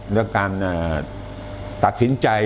แล้วการตัดสินใจ